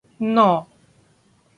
नौ